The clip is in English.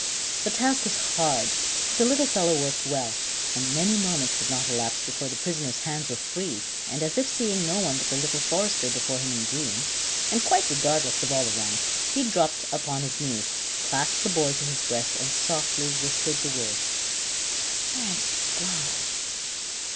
The task was hard, but the little fellow worked well, and many moments had not elapsed before the prisoner's hands were free, and as if seeing no one but the little forester before him in green, and quite regardless of all around, he dropped upon his knees, clasped the boy to his breast, and softly whispered the words: "Thank God!"